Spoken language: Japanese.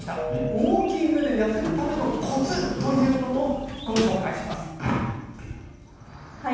ウォーキングで痩せるためのコツということもご紹介していきます。